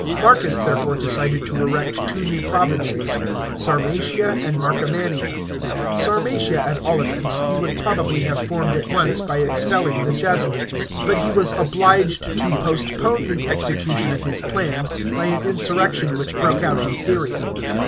Marcus therefore decided to erect two new provinces — Sarmatia and Marcomannia. Sarmatia, at all events, he would probably have formed at once by expelling the Jazy^es ; but he was obliged to postpone the execution of his plans by an insurrection which broke out in Syria.